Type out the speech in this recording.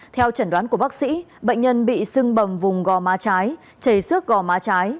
theo chẩn đoán của bác sĩ bệnh nhân bị sưng bầm vùng gò má trái chảy xước gò má trái